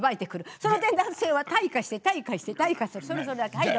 その点男性は退化して退化して退化するそれだけ。